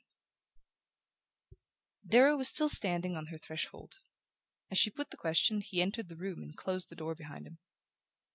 VII Darrow was still standing on her threshold. As she put the question he entered the room and closed the door behind him.